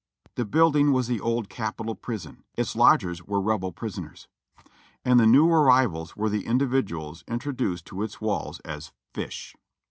The building was the old Capitol Prison ; its lodgers were Rebel prisoners, and the new arrivals were the individuals intro duced to its walls as "Fish."